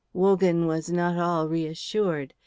Wogan was not all reassured.